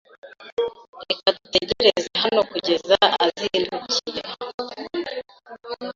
Reka dutegereze hano kugeza azindukiye.